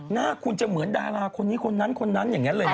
หน้าคุณจะเหมือนดาราคนนี้คนนั้นคนนั้นอย่างนั้นเลยนะ